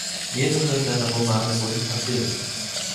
Mehrere seiner Romane wurden verfilmt.